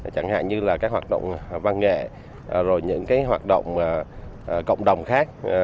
chẳng hạn như là các hoạt động văn nghệ rồi những hoạt động cộng đồng khác